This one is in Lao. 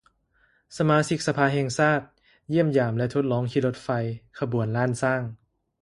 ສະມາຊິກສະພາແຫ່ງຊາດ ຢ້ຽມຢາມ ແລະ ທົດລອງຂີ່ລົດໄຟ ຂະບວນລ້ານຊ້າງ